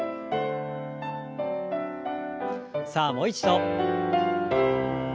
さあもう一度。